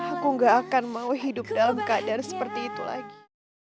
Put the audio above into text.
aku gak akan mau hidup dalam keadaan seperti itu lagi